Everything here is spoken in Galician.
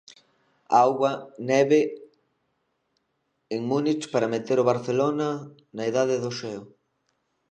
Auga neve en Múnich para meter o Barcelona na idade do xeo.